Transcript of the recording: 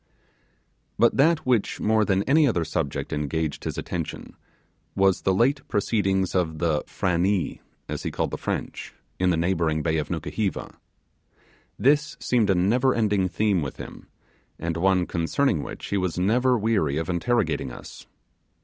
But that which more than any other subject engaged his attention was the late proceedings of the 'Frannee' as he called the French, in the neighbouring bay of Nukuheva. This seemed a never ending theme with him, and one concerning which he was never weary of interrogating us.